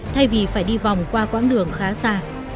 thay vì phải đi vòng qua quãng đường khá xa